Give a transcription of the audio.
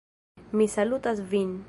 Mi salutas vin!